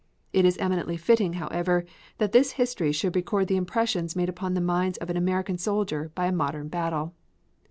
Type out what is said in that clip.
It is eminently fitting, however, that this history should record the impressions made upon the mind of an American soldier by a modern battle.